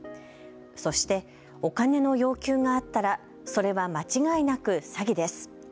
そしてお金の要求があったらそれは間違いなく詐欺です。